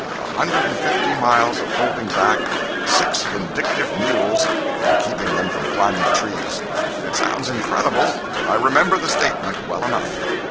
A hundred and fifty miles of holding back of six vindictive mules and keeping them from climbing the trees! It sounds incredible, but I remember the statement well enough.